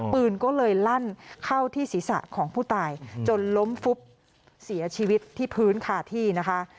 ปืนก็เลยลั่นเข้าที่ศีรษะของผู้ตายจนล้มฟุบเสียชีวิตที่พื้นคาที่นะคะ